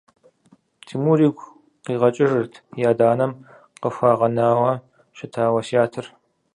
Тимур игу къигъэкӏыжырт и адэ-анэм къыхуагъэнауэ щыта уэсятыр.